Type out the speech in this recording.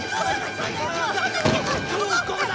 ここだ！